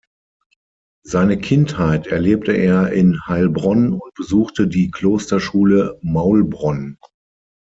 Seine Kindheit erlebte er in Heilbronn und besuchte die Klosterschule Maulbronn.